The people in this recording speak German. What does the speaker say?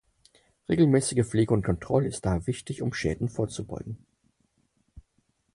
Regelmäßige Pflege und Kontrolle ist daher wichtig, um Schäden vorzubeugen.